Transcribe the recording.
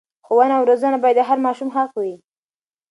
ښوونه او روزنه باید د هر ماشوم حق وي.